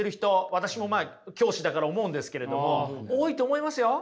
私も教師だから思うんですけれども多いと思いますよ。